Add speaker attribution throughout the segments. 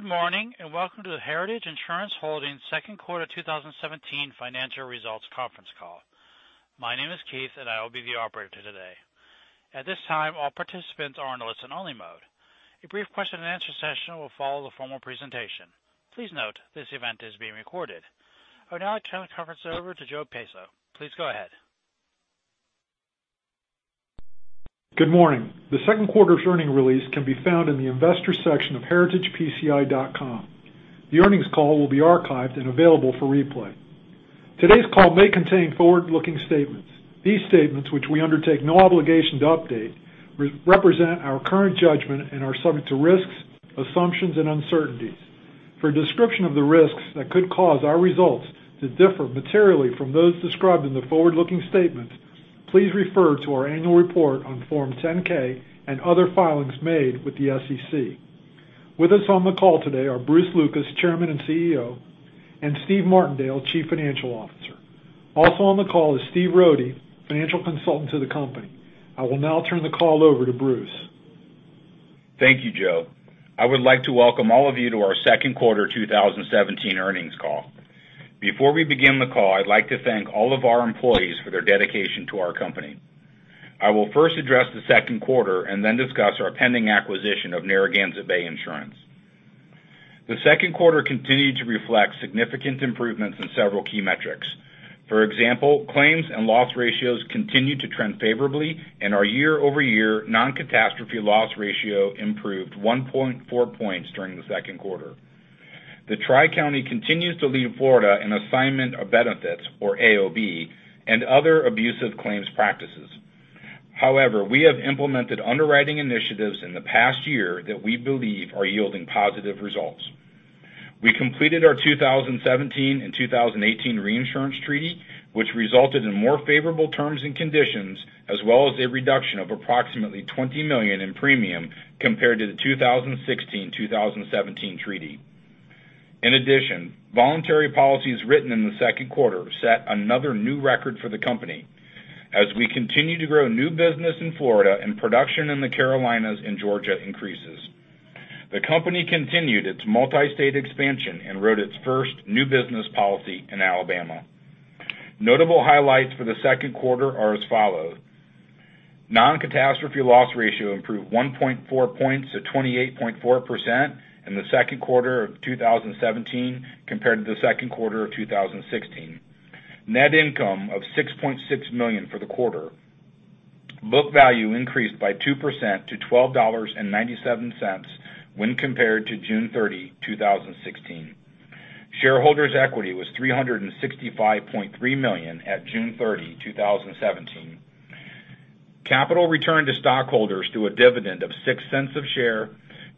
Speaker 1: Good morning. Welcome to the Heritage Insurance Holdings second quarter 2017 financial results conference call. My name is Keith. I will be the operator today. At this time, all participants are in listen-only mode. A brief question-and-answer session will follow the formal presentation. Please note this event is being recorded. I would now like turn the conference over to Joe Peiso. Please go ahead.
Speaker 2: Good morning. The second quarter's earnings release can be found in the investors section of heritagepci.com. The earnings call will be archived and available for replay. Today's call may contain forward-looking statements. These statements, which we undertake no obligation to update, represent our current judgment and are subject to risks, assumptions, and uncertainties. For a description of the risks that could cause our results to differ materially from those described in the forward-looking statements, please refer to our annual report on Form 10-K and other filings made with the SEC. With us on the call today are Bruce Lucas, Chairman and CEO, and Steven Martindale, Chief Financial Officer. Also on the call is Stephen Rohde, financial consultant to the company. I will now turn the call over to Bruce.
Speaker 3: Thank you, Joe. I would like to welcome all of you to our second quarter 2017 earnings call. Before we begin the call, I would like to thank all of our employees for their dedication to our company. I will first address the second quarter and then discuss our pending acquisition of Narragansett Bay Insurance. The second quarter continued to reflect significant improvements in several key metrics. For example, claims and loss ratios continued to trend favorably and our year-over-year non-catastrophe loss ratio improved 1.4 points during the second quarter. The Tri-County continues to lead Florida in assignment of benefits, or AOB, and other abusive claims practices. However, we have implemented underwriting initiatives in the past year that we believe are yielding positive results. We completed our 2017 and 2018 reinsurance treaty, which resulted in more favorable terms and conditions, as well as a reduction of approximately $20 million in premium compared to the 2016-2017 treaty. In addition, voluntary policies written in the second quarter set another new record for the company as we continue to grow new business in Florida and production in the Carolinas and Georgia increases. The company continued its multi-state expansion and wrote its first new business policy in Alabama. Notable highlights for the second quarter are as follows: Non-catastrophe loss ratio improved 1.4 points to 28.4% in the second quarter of 2017 compared to the second quarter of 2016. Net income of $6.6 million for the quarter. Book value increased by 2% to $12.97 when compared to June 30, 2016. Shareholders' equity was $365.3 million at June 30, 2017. Capital returned to stockholders through a dividend of $0.06 of share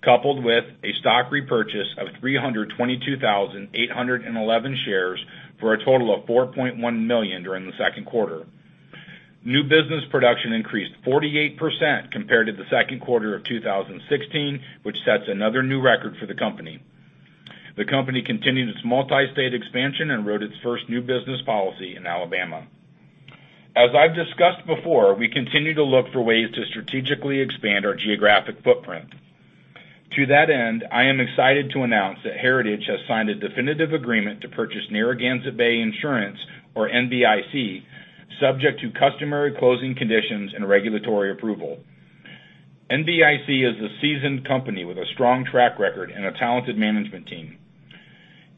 Speaker 3: coupled with a stock repurchase of 322,811 shares for a total of $4.1 million during the second quarter. New business production increased 48% compared to the second quarter of 2016, which sets another new record for the company. The company continued its multi-state expansion and wrote its first new business policy in Alabama. As I've discussed before, we continue to look for ways to strategically expand our geographic footprint. To that end, I am excited to announce that Heritage has signed a definitive agreement to purchase Narragansett Bay Insurance, or NBIC, subject to customary closing conditions and regulatory approval. NBIC is a seasoned company with a strong track record and a talented management team.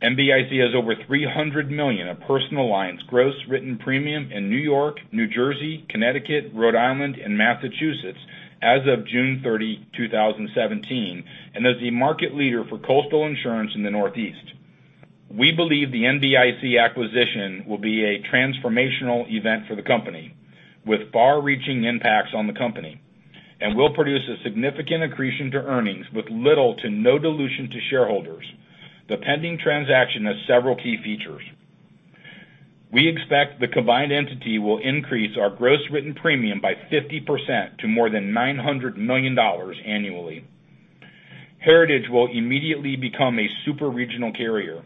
Speaker 3: NBIC has over $300 million of personal lines gross written premium in New York, New Jersey, Connecticut, Rhode Island, and Massachusetts as of June 30, 2017, and is a market leader for coastal insurance in the Northeast. We believe the NBIC acquisition will be a transformational event for the company with far-reaching impacts on the company and will produce a significant accretion to earnings with little to no dilution to shareholders. The pending transaction has several key features. We expect the combined entity will increase our gross written premium by 50% to more than $900 million annually. Heritage will immediately become a super regional carrier.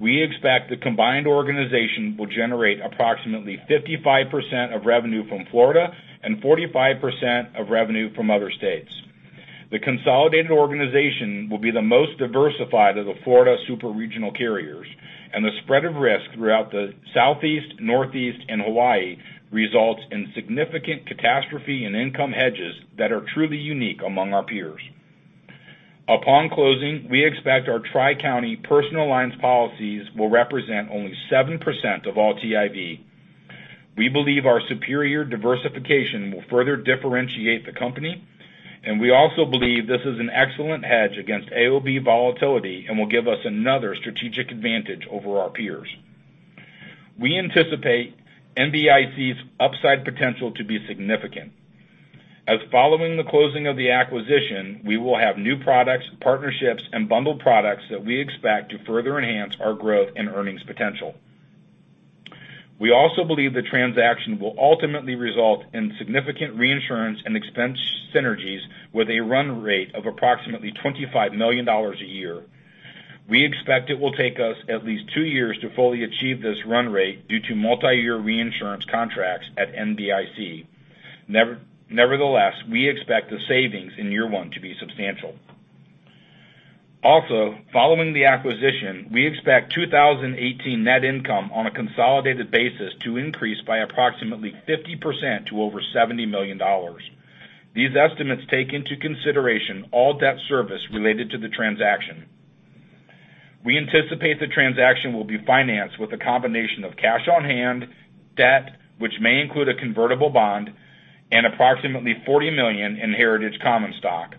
Speaker 3: We expect the combined organization will generate approximately 55% of revenue from Florida and 45% of revenue from other states. The consolidated organization will be the most diversified of the Florida super regional carriers. The spread of risk throughout the Southeast, Northeast, and Hawaii results in significant catastrophe and income hedges that are truly unique among our peers. Upon closing, we expect our Tri-County personal lines policies will represent only 7% of all TIV. We believe our superior diversification will further differentiate the company. We also believe this is an excellent hedge against AOB volatility and will give us another strategic advantage over our peers. We anticipate NBIC's upside potential to be significant, as following the closing of the acquisition, we will have new products, partnerships, and bundled products that we expect to further enhance our growth and earnings potential. We also believe the transaction will ultimately result in significant reinsurance and expense synergies with a run rate of approximately $25 million a year. We expect it will take us at least two years to fully achieve this run rate due to multi-year reinsurance contracts at NBIC. Nevertheless, we expect the savings in year one to be substantial. Following the acquisition, we expect 2018 net income on a consolidated basis to increase by approximately 50% to over $70 million. These estimates take into consideration all debt service related to the transaction. We anticipate the transaction will be financed with a combination of cash on hand, debt, which may include a convertible bond, and approximately $40 million in Heritage common stock.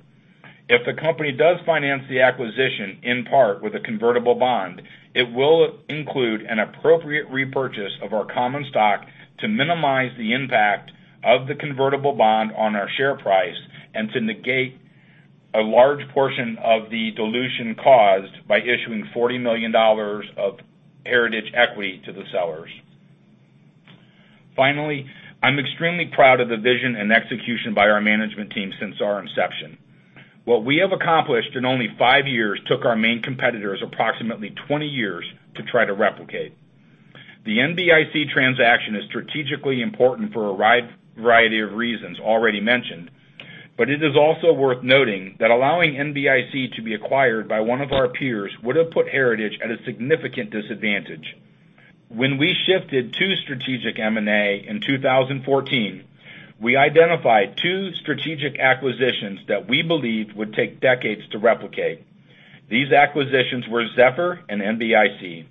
Speaker 3: If the company does finance the acquisition in part with a convertible bond, it will include an appropriate repurchase of our common stock to minimize the impact of the convertible bond on our share price and to negate a large portion of the dilution caused by issuing $40 million of Heritage equity to the sellers. Finally, I'm extremely proud of the vision and execution by our management team since our inception. What we have accomplished in only five years took our main competitors approximately 20 years to try to replicate. The NBIC transaction is strategically important for a variety of reasons already mentioned, but it is also worth noting that allowing NBIC to be acquired by one of our peers would have put Heritage at a significant disadvantage. When we shifted to strategic M&A in 2014, we identified two strategic acquisitions that we believed would take decades to replicate. These acquisitions were Zephyr and NBIC.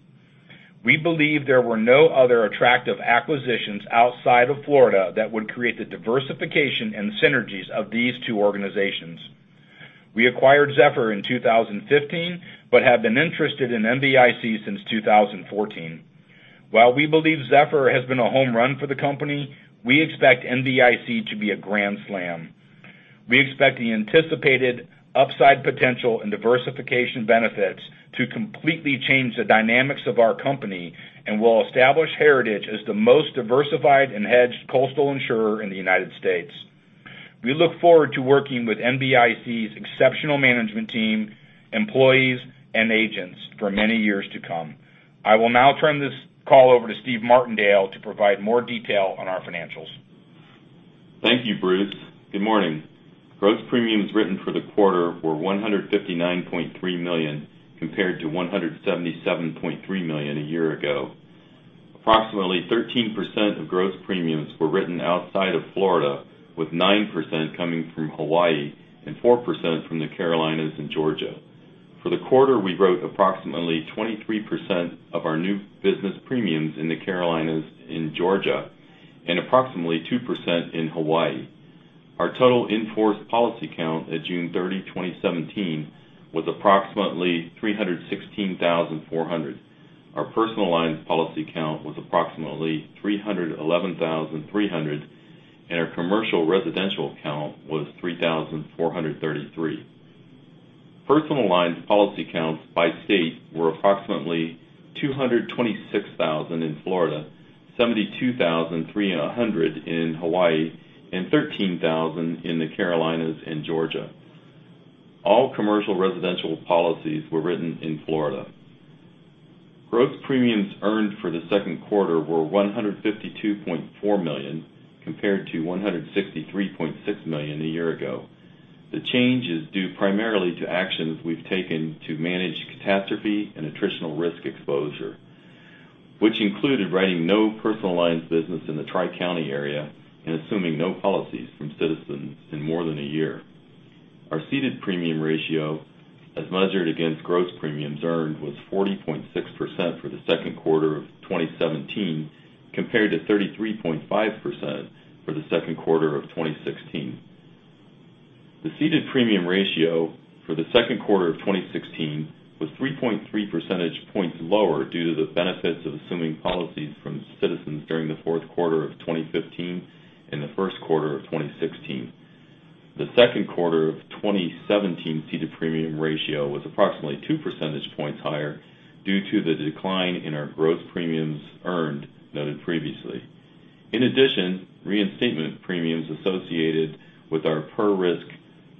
Speaker 3: We believe there were no other attractive acquisitions outside of Florida that would create the diversification and synergies of these two organizations. We acquired Zephyr in 2015 but have been interested in NBIC since 2014. While we believe Zephyr has been a home run for the company, we expect NBIC to be a grand slam. We expect the anticipated upside potential and diversification benefits to completely change the dynamics of our company and will establish Heritage as the most diversified and hedged coastal insurer in the United States. We look forward to working with NBIC's exceptional management team, employees, and agents for many years to come. I will now turn this call over to Steven Martindale to provide more detail on our financials.
Speaker 4: Thank you, Bruce. Good morning. Gross premiums written for the quarter were $159.3 million compared to $177.3 million a year ago. Approximately 13% of gross premiums were written outside of Florida, with 9% coming from Hawaii and 4% from the Carolinas and Georgia. For the quarter, we wrote approximately 23% of our new business premiums in the Carolinas and Georgia, and approximately 2% in Hawaii. Our total in-force policy count at June 30, 2017, was approximately 316,400. Our personal lines policy count was approximately 311,300, and our commercial residential count was 3,433. Personal lines policy counts by state were approximately 226,000 in Florida, 72,300 in Hawaii, and 13,000 in the Carolinas and Georgia. All commercial residential policies were written in Florida. Gross premiums earned for the second quarter were $152.4 million compared to $163.6 million a year ago. The change is due primarily to actions we've taken to manage catastrophe and attritional risk exposure, which included writing no personal lines business in the Tri-County area and assuming no policies from Citizens in more than a year. Our ceded premium ratio, as measured against gross premiums earned, was 40.6% for the second quarter of 2017, compared to 33.5% for the second quarter of 2016. The ceded premium ratio for the second quarter of 2016 was 3.3 percentage points lower due to the benefits of assuming policies from Citizens during the fourth quarter of 2015 and the first quarter of 2016. The second quarter of 2017 ceded premium ratio was approximately two percentage points higher due to the decline in our gross premiums earned noted previously. In addition, reinstatement premiums associated with our per-risk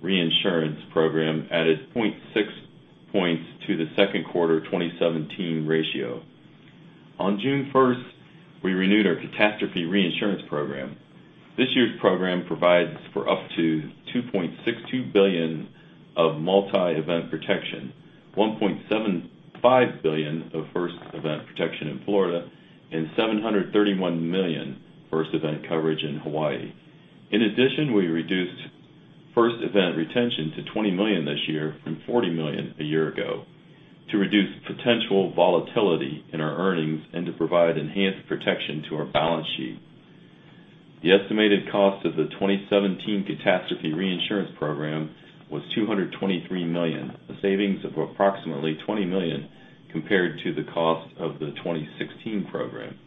Speaker 4: reinsurance program added 0.6 points to the second quarter 2017 ratio. On June 1st, we renewed our catastrophe reinsurance program. This year's program provides for up to $2.62 billion of multi-event protection, $1.75 billion of first event protection in Florida, and $731 million first event coverage in Hawaii. In addition, we reduced first event retention to $20 million this year from $40 million a year ago to reduce potential volatility in our earnings and to provide enhanced protection to our balance sheet. The estimated cost of the 2017 catastrophe reinsurance program was $223 million, a savings of approximately $20 million compared to the cost of the 2016 program.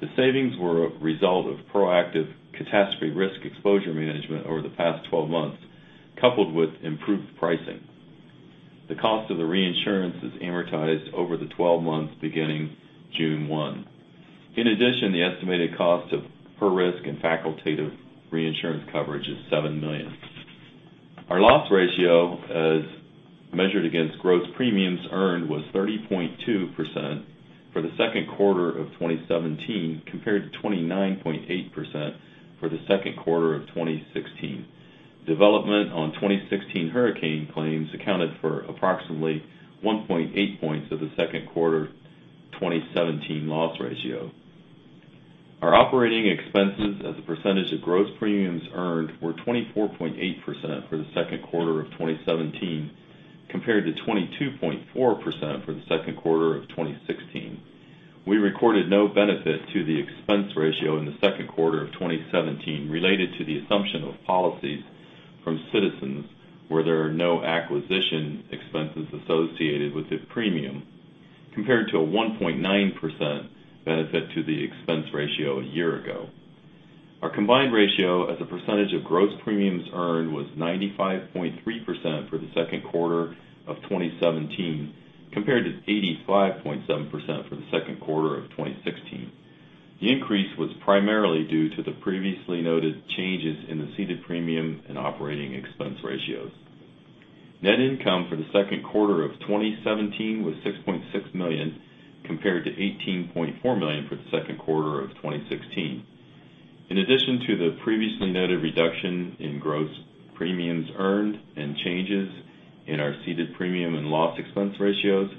Speaker 4: The savings were a result of proactive catastrophe risk exposure management over the past 12 months, coupled with improved pricing. The cost of the reinsurance is amortized over the 12 months beginning June 1. In addition, the estimated cost of per-risk and facultative reinsurance coverage is $7 million. Our loss ratio, as measured against gross premiums earned, was 30.2% for the second quarter of 2017 compared to 29.8% for the second quarter of 2016. Development on 2016 hurricane claims accounted for approximately 1.8 points of the second quarter 2017 loss ratio. Our operating expenses as a percentage of gross premiums earned were 24.8% for the second quarter of 2017 compared to 22.4% for the second quarter of 2016. We recorded no benefit to the expense ratio in the second quarter of 2017 related to the assumption of policies from Citizens where there are no acquisition expenses associated with the premium, compared to a 1.9% benefit to the expense ratio a year ago. Our combined ratio as a percentage of gross premiums earned was 95.3% for the second quarter of 2017, compared to 85.7% for the second quarter of 2016. The increase was primarily due to the previously noted changes in the ceded premium and operating expense ratios. Net income for the second quarter of 2017 was $6.6 million, compared to $18.4 million for the second quarter of 2016. In addition to the previously noted reduction in gross premiums earned and changes in our ceded premium and loss expense ratios,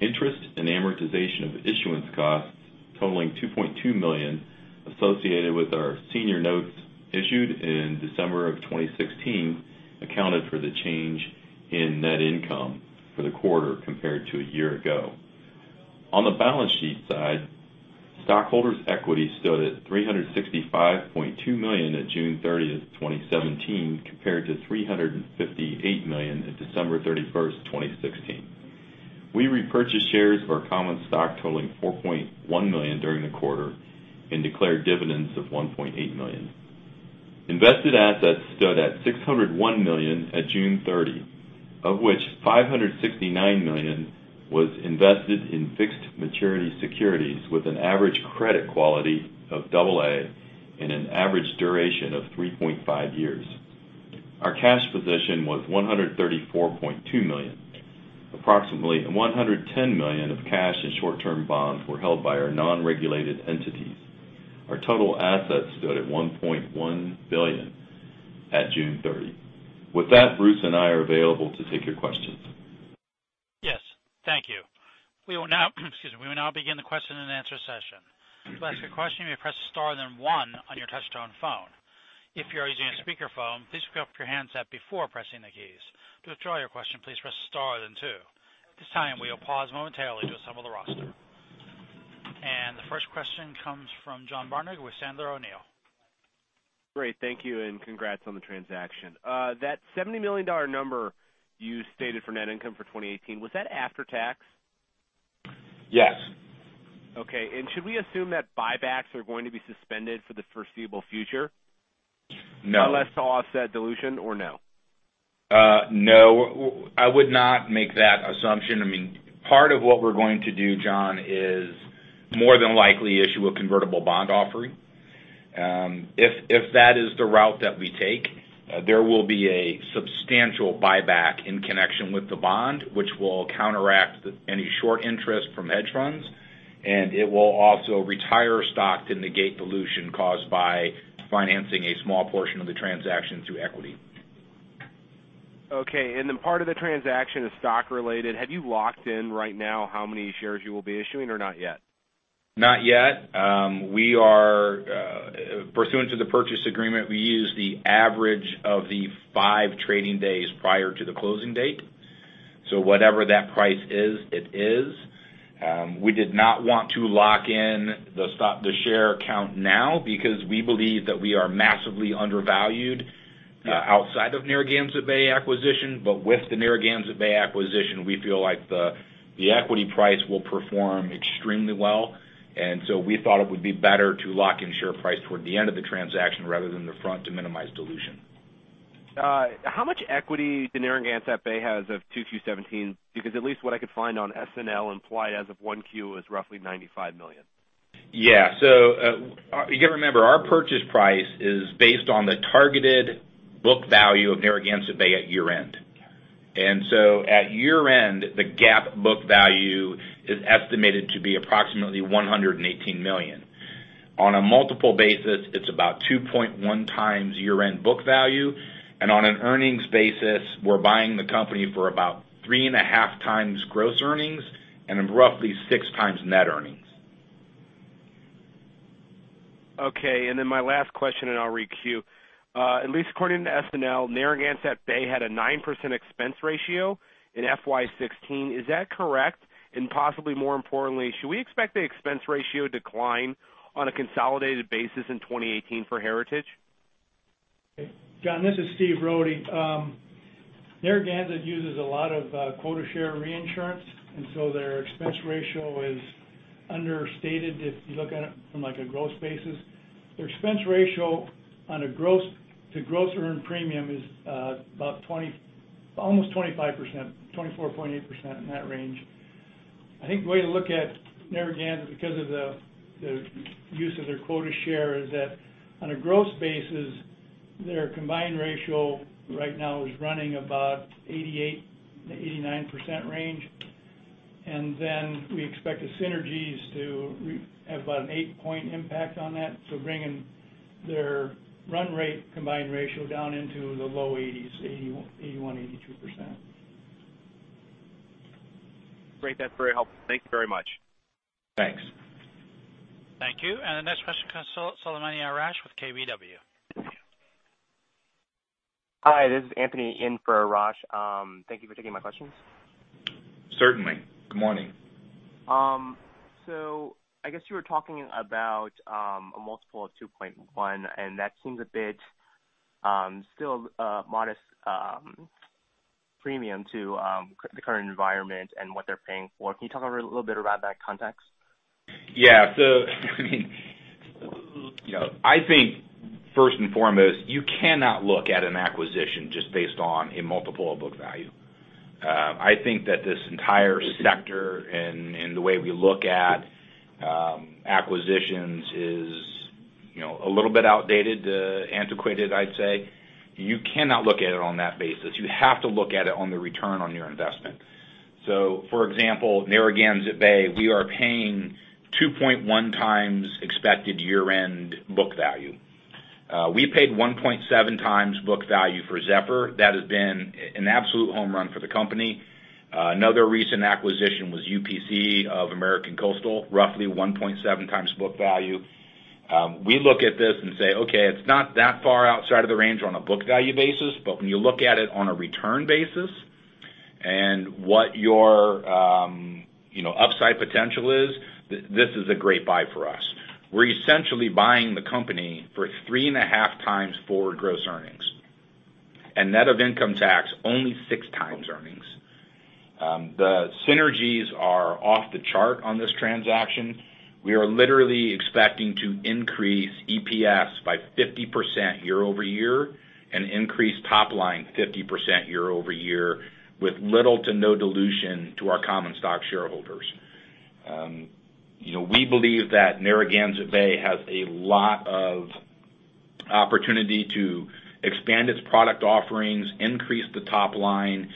Speaker 4: interest and amortization of issuance costs totaling $2.2 million associated with our senior notes issued in December 2016 accounted for the change in net income for the quarter compared to a year ago. On the balance sheet side, stockholders' equity stood at $365.2 million at June 30th, 2017, compared to $358 million at December 31st, 2016. We repurchased shares of our common stock totaling $4.1 million during the quarter and declared dividends of $1.8 million. Invested assets stood at $601 million at June 30, of which $569 million was invested in fixed maturity securities with an average credit quality of double A and an average duration of 3.5 years. Our cash position was $134.2 million. Approximately $110 million of cash in short-term bonds were held by our non-regulated entities. Our total assets stood at $1.1 billion at June 30. With that, Bruce and I are available to take your questions.
Speaker 1: Yes. Thank you. We will now begin the question and answer session. To ask a question, you press star then one on your touchtone phone. If you are using a speakerphone, please pick up your handset before pressing the keys. To withdraw your question, please press star then two. At this time, we'll pause momentarily to assemble the roster. The first question comes from John Barnidge with Sandler O'Neill + Partners.
Speaker 5: Great. Thank you. Congrats on the transaction. That $70 million number you stated for net income for 2018, was that after tax?
Speaker 4: Yes.
Speaker 5: Okay. Should we assume that buybacks are going to be suspended for the foreseeable future?
Speaker 4: No.
Speaker 5: Unless to offset dilution or no?
Speaker 3: No. I would not make that assumption. Part of what we're going to do, John, is more than likely issue a convertible bond offering. If that is the route that we take, there will be a substantial buyback in connection with the bond, which will counteract any short interest from hedge funds. It will also retire stock to negate dilution caused by financing a small portion of the transaction through equity.
Speaker 5: Okay. Part of the transaction is stock related. Have you locked in right now how many shares you will be issuing or not yet?
Speaker 3: Not yet. Pursuant to the purchase agreement, we use the average of the five trading days prior to the closing date. Whatever that price is, it is. We did not want to lock in the share count now because we believe that we are massively undervalued outside of Narragansett Bay acquisition. With the Narragansett Bay acquisition, we feel like the equity price will perform extremely well. We thought it would be better to lock in share price toward the end of the transaction rather than the front to minimize dilution.
Speaker 5: How much equity the Narragansett Bay has of 2Q17? At least what I could find on SNL implied as of 1Q is roughly $95 million.
Speaker 3: Yeah. You got to remember, our purchase price is based on the targeted book value of Narragansett Bay at year-end. At year-end, the GAAP book value is estimated to be approximately $118 million. On a multiple basis, it's about 2.1x year-end book value. On an earnings basis, we're buying the company for about 3.5x gross earnings and roughly 6x net earnings.
Speaker 5: Okay, my last question, and I'll re-queue. At least according to SNL, Narragansett Bay had a 9% expense ratio in FY 2016. Is that correct? Possibly more importantly, should we expect the expense ratio decline on a consolidated basis in 2018 for Heritage?
Speaker 6: John, this is Stephen Rohde. Narragansett uses a lot of quota share reinsurance, their expense ratio is understated if you look at it from a gross basis. Their expense ratio to gross earned premium is about 24.8% in that range. I think the way to look at Narragansett, because of the use of their quota share, is that on a gross basis, their combined ratio right now is running about 88%-89% range. We expect the synergies to have about an eight-point impact on that. Bringing their run rate combined ratio down into the low 80s, 81%, 82%.
Speaker 5: Great. That's very helpful. Thank you very much.
Speaker 3: Thanks.
Speaker 1: Thank you. The next question comes from Arash Soleimani with KBW.
Speaker 7: Hi, this is Anthony in for Arash. Thank you for taking my questions.
Speaker 3: Certainly. Good morning.
Speaker 7: I guess you were talking about a multiple of 2.1, and that seems a bit still a modest premium to the current environment and what they're paying for. Can you talk a little bit about that context?
Speaker 3: Yeah. I think first and foremost, you cannot look at an acquisition just based on a multiple of book value. I think that this entire sector and the way we look at acquisitions is a little bit outdated, antiquated, I'd say. You cannot look at it on that basis. You have to look at it on the return on your investment. For example, Narragansett Bay, we are paying 2.1 times expected year-end book value. We paid 1.7 times book value for Zephyr. That has been an absolute home run for the company. Another recent acquisition was UPC of American Coastal, roughly 1.7 times book value. We look at this and say, "Okay, it's not that far outside of the range on a book value basis." When you look at it on a return basis and what your upside potential is, this is a great buy for us. We're essentially buying the company for three and a half times forward gross earnings. Net of income tax, only six times earnings. The synergies are off the chart on this transaction. We are literally expecting to increase EPS by 50% year-over-year and increase top line 50% year-over-year with little to no dilution to our common stock shareholders. We believe that Narragansett Bay has a lot of opportunity to expand its product offerings, increase the top line,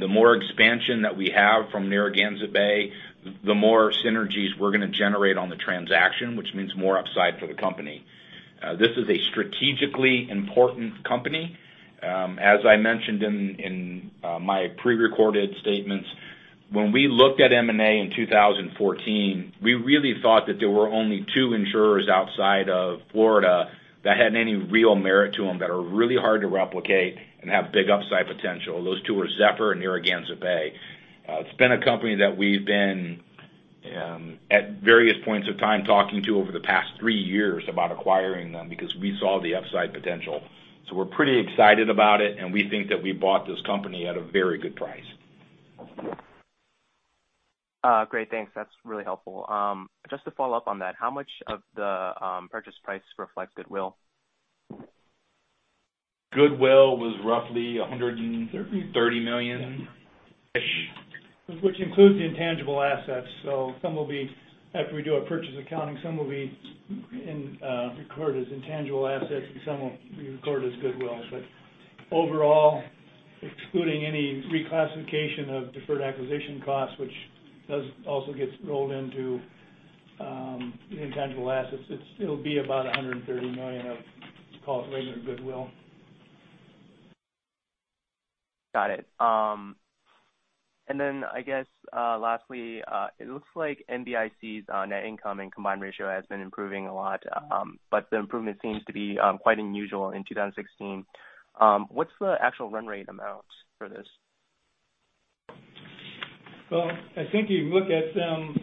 Speaker 3: the more expansion that we have from Narragansett Bay, the more synergies we're going to generate on the transaction, which means more upside for the company. This is a strategically important company. As I mentioned in my prerecorded statements, when we looked at M&A in 2014, we really thought that there were only two insurers outside of Florida that had any real merit to them, that are really hard to replicate and have big upside potential. Those two are Zephyr and Narragansett Bay. It's been a company that we've been, at various points of time, talking to over the past three years about acquiring them because we saw the upside potential. We're pretty excited about it, and we think that we bought this company at a very good price.
Speaker 7: Great. Thanks. That's really helpful. Just to follow up on that, how much of the purchase price reflects goodwill?
Speaker 3: Goodwill was roughly $130 million-ish.
Speaker 6: Which includes the intangible assets. After we do our purchase accounting, some will be recorded as intangible assets, and some will be recorded as goodwill. Overall, excluding any reclassification of deferred acquisition costs, which does also get rolled into the intangible assets, it will be about $130 million of, call it regular goodwill.
Speaker 7: Got it. Then, I guess, lastly, it looks like NBIC's net income and combined ratio has been improving a lot. The improvement seems to be quite unusual in 2016. What is the actual run rate amount for this?
Speaker 6: Well, I think you look at them,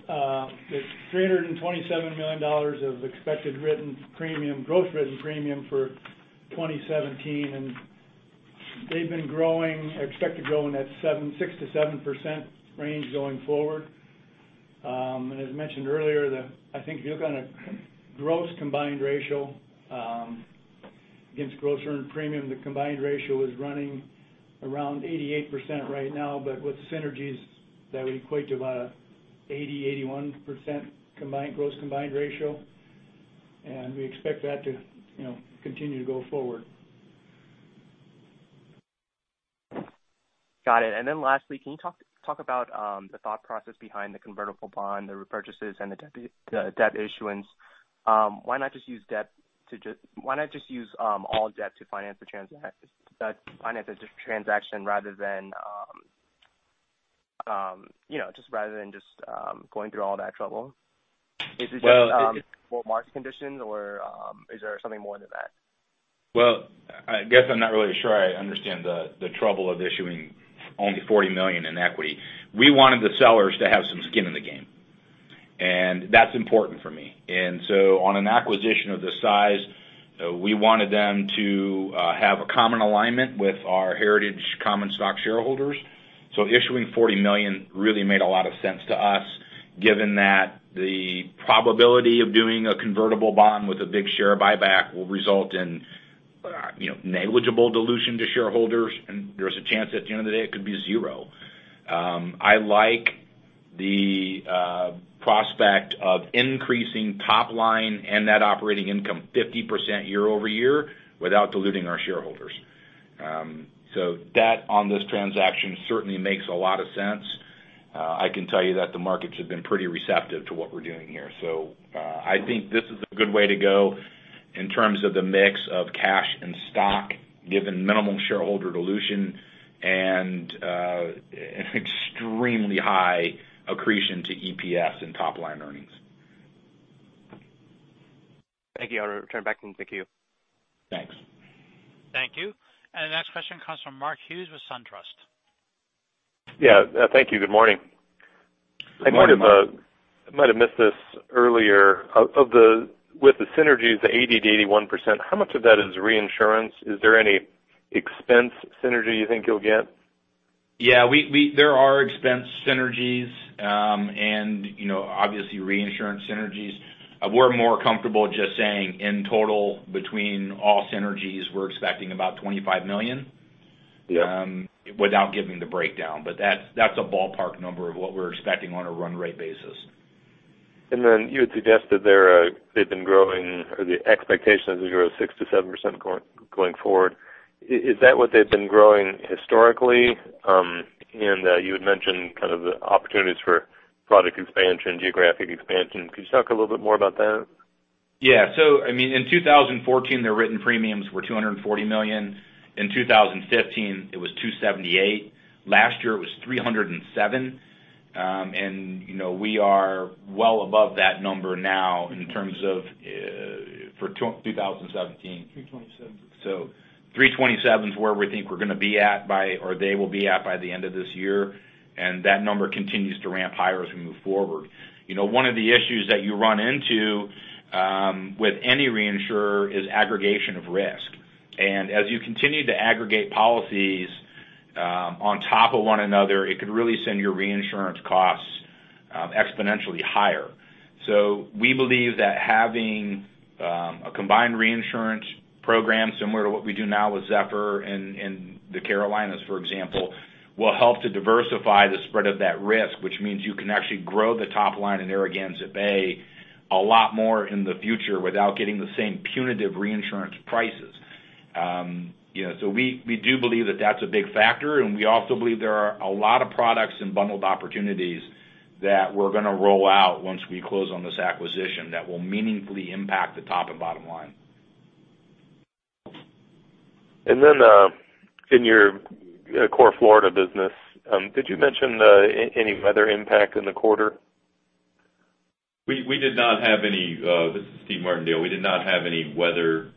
Speaker 6: there is $327 million of expected gross written premium for 2017. They have been expected to grow in that 6%-7% range going forward. As mentioned earlier, I think if you look on a gross combined ratio against gross earned premium, the combined ratio is running around 88% right now. With synergies, that would equate to about 80%-81% gross combined ratio. We expect that to continue to go forward.
Speaker 7: Got it. Lastly, can you talk about the thought process behind the convertible bond, the repurchases, and the debt issuance? Why not just use all debt to finance the transaction rather than just going through all that trouble? Is it just poor market conditions, or is there something more than that?
Speaker 3: Well, I guess I'm not really sure I understand the trouble of issuing only $40 million in equity. We wanted the sellers to have some skin in the game, and that's important for me. On an acquisition of this size, we wanted them to have a common alignment with our Heritage common stock shareholders. Issuing $40 million really made a lot of sense to us. Given that the probability of doing a convertible bond with a big share buyback will result in negligible dilution to shareholders, and there's a chance at the end of the day it could be zero. I like the prospect of increasing top line and net operating income 50% year-over-year without diluting our shareholders. On this transaction, certainly makes a lot of sense. I can tell you that the markets have been pretty receptive to what we're doing here. I think this is a good way to go in terms of the mix of cash and stock, given minimal shareholder dilution and extremely high accretion to EPS and top-line earnings.
Speaker 7: Thank you. I'll return back and thank you.
Speaker 3: Thanks.
Speaker 1: Thank you. The next question comes from Mark Hughes with SunTrust.
Speaker 8: Yeah. Thank you. Good morning.
Speaker 3: Good morning, Mark.
Speaker 8: I might have missed this earlier. With the synergies, the 80%-81%, how much of that is reinsurance? Is there any expense synergy you think you'll get?
Speaker 3: There are expense synergies, and obviously reinsurance synergies. We're more comfortable just saying in total, between all synergies, we're expecting about $25 million.
Speaker 8: Yeah
Speaker 3: That's a ballpark number of what we're expecting on a run rate basis.
Speaker 8: You had suggested they've been growing, or the expectation is to grow 6%-7% going forward. Is that what they've been growing historically? You had mentioned kind of the opportunities for product expansion, geographic expansion. Could you talk a little bit more about that?
Speaker 3: In 2014, their written premiums were $240 million. In 2015, it was $278. Last year, it was $307. We are well above that number now in terms of for 2017. $327. $327 is where we think we're going to be at by, or they will be at by the end of this year, and that number continues to ramp higher as we move forward. One of the issues that you run into with any reinsurer is aggregation of risk. As you continue to aggregate policies on top of one another, it could really send your reinsurance costs exponentially higher. We believe that having a combined reinsurance program similar to what we do now with Zephyr in the Carolinas, for example, will help to diversify the spread of that risk, which means you can actually grow the top line in Narragansett Bay a lot more in the future without getting the same punitive reinsurance prices. We do believe that that's a big factor, and we also believe there are a lot of products and bundled opportunities that we're going to roll out once we close on this acquisition that will meaningfully impact the top and bottom line.
Speaker 8: In your core Florida business, did you mention any weather impact in the quarter?
Speaker 4: This is Steven Martindale. We did not have any non-hurricane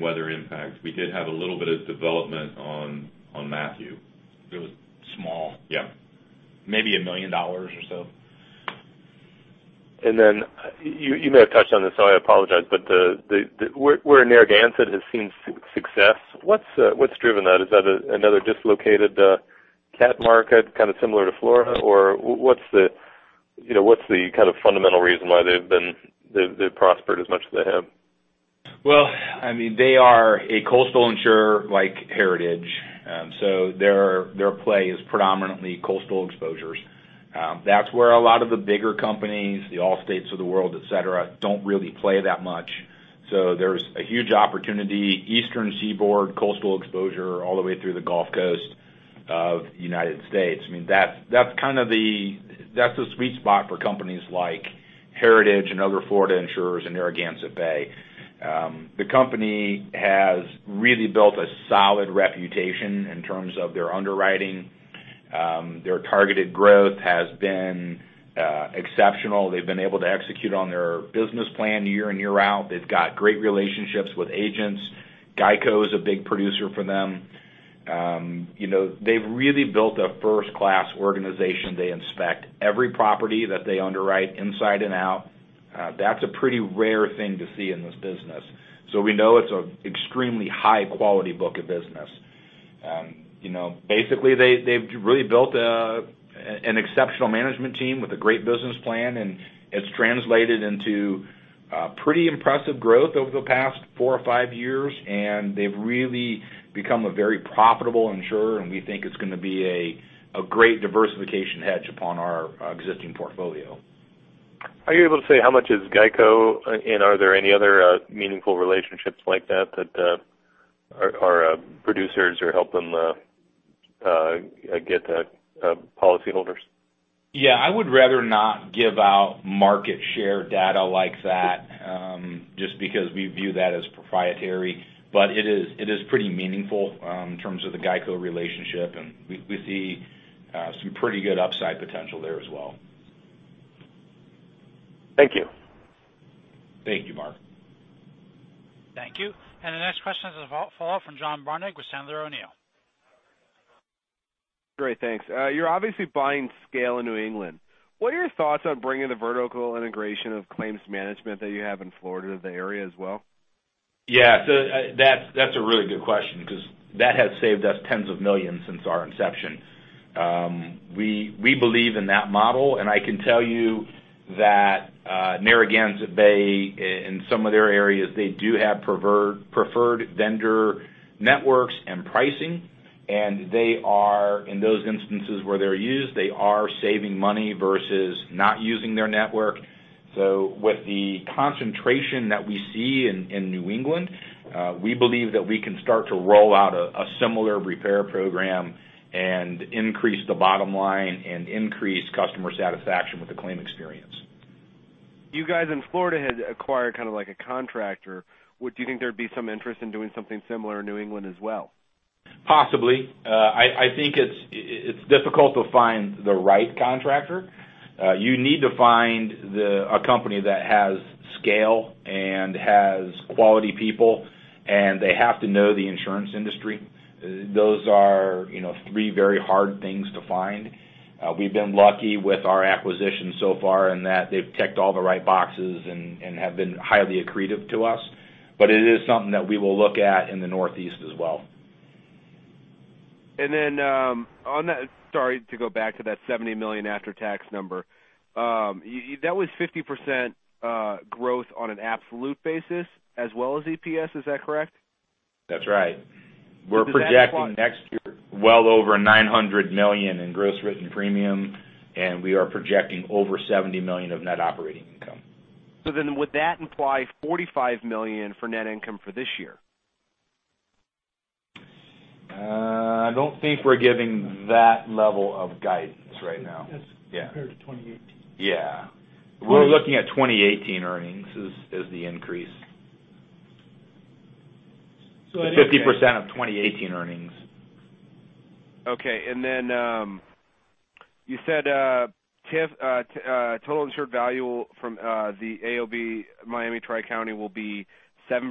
Speaker 4: weather impact. We did have a little bit of development on Matthew. It was small. Yeah. Maybe $1 million or so.
Speaker 8: You may have touched on this, so I apologize, but where Narragansett has seen success, what's driven that? Is that another dislocated cat market, kind of similar to Florida? What's the kind of fundamental reason why they've prospered as much as they have?
Speaker 3: Well, they are a coastal insurer like Heritage. Their play is predominantly coastal exposures. That's where a lot of the bigger companies, the Allstate of the world, et cetera, don't really play that much. There's a huge opportunity, Eastern Seaboard, coastal exposure, all the way through the Gulf Coast of the U.S. That's the sweet spot for companies like Heritage and other Florida insurers and Narragansett Bay. The company has really built a solid reputation in terms of their underwriting. Their targeted growth has been exceptional. They've been able to execute on their business plan year in, year out. They've got great relationships with agents. GEICO is a big producer for them. They've really built a first-class organization. They inspect every property that they underwrite inside and out. That's a pretty rare thing to see in this business. We know it's an extremely high-quality book of business. Basically, they've really built an exceptional management team with a great business plan, and it's translated into pretty impressive growth over the past four or five years, and they've really become a very profitable insurer, and we think it's going to be a great diversification hedge upon our existing portfolio.
Speaker 8: Are you able to say how much is GEICO, and are there any other meaningful relationships like that are producers or help them get policyholders?
Speaker 3: Yeah, I would rather not give out market share data like that, just because we view that as proprietary. It is pretty meaningful in terms of the GEICO relationship, and we see some pretty good upside potential there as well.
Speaker 8: Thank you.
Speaker 3: Thank you, Mark.
Speaker 1: Thank you. The next question is a follow-up from John Barnidge with Sandler O'Neill.
Speaker 5: Great. Thanks. You're obviously buying scale in New England. What are your thoughts on bringing the vertical integration of claims management that you have in Florida to the area as well?
Speaker 3: That's a really good question because that has saved us tens of millions since our inception. We believe in that model, I can tell you that Narragansett Bay, in some of their areas, they do have preferred vendor networks and pricing. They are, in those instances where they're used, they are saving money versus not using their network. With the concentration that we see in New England, we believe that we can start to roll out a similar repair program and increase the bottom line, and increase customer satisfaction with the claim experience.
Speaker 5: You guys in Florida had acquired kind of like a contractor. Do you think there'd be some interest in doing something similar in New England as well?
Speaker 3: Possibly. I think it's difficult to find the right contractor. You need to find a company that has scale and has quality people, and they have to know the insurance industry. Those are three very hard things to find. We've been lucky with our acquisitions so far in that they've ticked all the right boxes and have been highly accretive to us. It is something that we will look at in the Northeast as well.
Speaker 5: Sorry to go back to that $70 million after-tax number. That was 50% growth on an absolute basis as well as EPS. Is that correct?
Speaker 3: That's right. We're projecting next year well over $900 million in gross written premium, and we are projecting over $70 million of net operating income.
Speaker 5: Would that imply $45 million for net income for this year?
Speaker 3: I don't think we're giving that level of guidance right now.
Speaker 5: That's compared to 2018.
Speaker 3: Yeah. We're looking at 2018 earnings as the increase. 50% of 2018 earnings.
Speaker 5: Okay. Then you said TIV, total insured value from the AOB Miami Tri-County will be 7%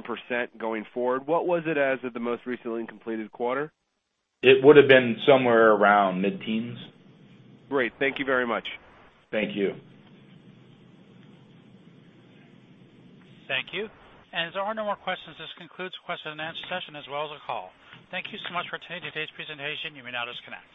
Speaker 5: going forward. What was it as of the most recently completed quarter?
Speaker 3: It would've been somewhere around mid-teens.
Speaker 5: Great. Thank you very much.
Speaker 3: Thank you.
Speaker 1: Thank you. As there are no more questions, this concludes the question and answer session, as well as the call. Thank you so much for attending today's presentation. You may now disconnect.